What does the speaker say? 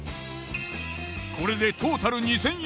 これでトータル２，０００円。